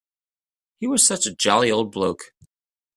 He was such a jolly old bloke.